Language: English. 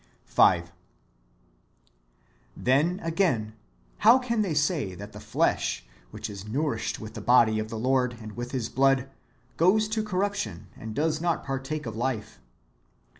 ^ 5. Then, again, how can they say that the flesh, which is nourished with the body of the Lord and with His blood, goes to corruption, and does not partake of life